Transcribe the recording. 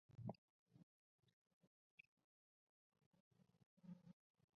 他的玄孙赵昀是宋理宗。